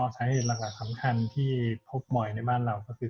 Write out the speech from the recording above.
สาเหตุหลักสำคัญที่พบบ่อยในบ้านเราก็คือ